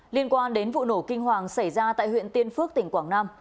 liên quan đến vụ nổ kinh hoàng xảy ra tại huyện tiên phước tỉnh quảng nam